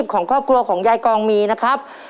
ของครอบครัวของยายกองมีนะครับ